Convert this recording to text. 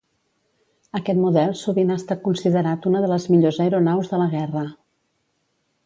Aquest model sovint ha estat considerat una de les millors aeronaus de la guerra.